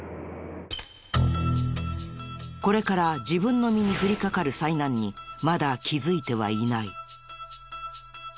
これから自分の身に降りかかる災難にまだ気づいてはいない。